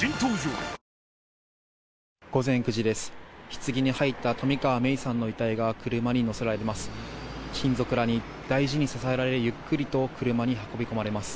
ひつぎに入った冨川芽生さんの遺体が車に乗せられます。